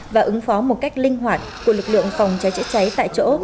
và ứng phó một cách linh hoạt của lực lượng phòng cháy chữa cháy tại chỗ